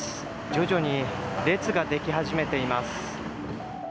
徐々に列ができ始めています。